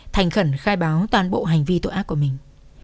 thành khẩn khai báo toàn bộ hành vi tội ác của mình